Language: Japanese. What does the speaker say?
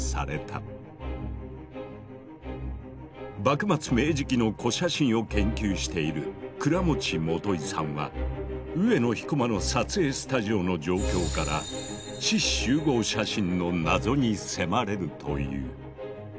幕末・明治期の古写真を研究している倉持基さんは上野彦馬の撮影スタジオの状況から志士集合写真の謎に迫れると言う。